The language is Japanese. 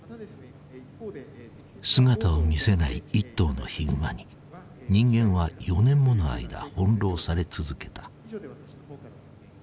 姿を見せない一頭のヒグマに人間は４年もの間翻弄され続けた。